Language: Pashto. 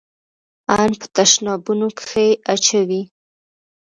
ان په تشنابونو کښې يې اچوي.